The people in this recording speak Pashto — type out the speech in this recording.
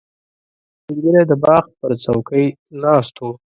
سپین ږیری د باغ پر چوکۍ ناست و.